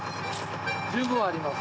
十分あります。